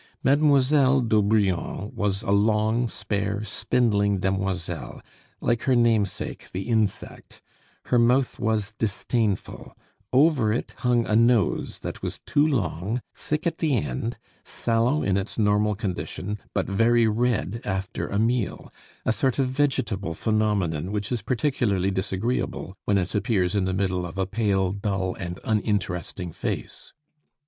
Mademoiselle d'Aubrion was a long, spare, spindling demoiselle, like her namesake the insect; her mouth was disdainful; over it hung a nose that was too long, thick at the end, sallow in its normal condition, but very red after a meal, a sort of vegetable phenomenon which is particularly disagreeable when it appears in the middle of a pale, dull, and uninteresting face.